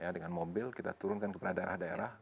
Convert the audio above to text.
ya dengan mobil kita turunkan ke daerah daerah